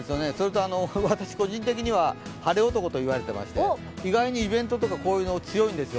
私、個人的には晴れ男と言われていまして、意外とイベントとかには強いんですよ。